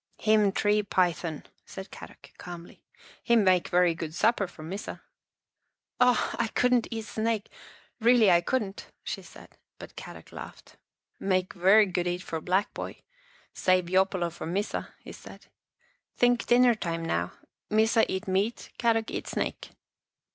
"" Him tree python," said Kadok, calmly. " Him make very good supper for Missa." Housekeeping in a Cave 113 " Oh, I couldn't eat snake, really, I couldn't," she said, but Kadok laughed. " Make very good eat for black boy, save yopolo for Missa," he said. " Think dinner time now, Missa eat meat, Kadok eat snake."